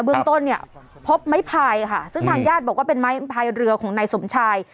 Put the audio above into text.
เบื้องต้นเนี่ยพบไม้พายค่ะซึ่งทางญาติบอกว่าเป็นไม้พายเรือของนายสมชาย